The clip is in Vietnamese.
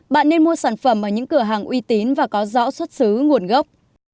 bạn nên mua sản phẩm ở những cửa hàng uy tín và có rõ xuất xứ nguồn gốc